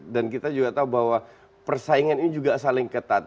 dan kita juga tahu bahwa persaingan ini juga saling ketat